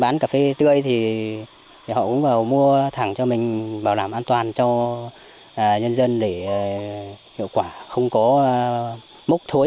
bán cà phê tươi thì họ cũng vào mua thẳng bảo là an toàn cho dân dân được hiệu quả không có múc thối